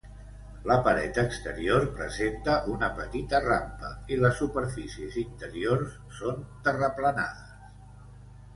La paret exterior presenta una petita rampa, i les superfícies interiors són terraplenades.